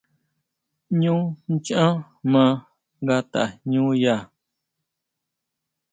ʼÑú nchá maa nga tajñúya.